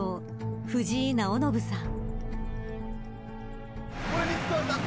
藤井直伸さん。